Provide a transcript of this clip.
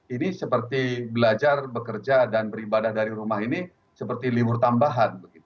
ini seperti belajar bekerja dan beribadah dari rumah ini seperti libur tambahan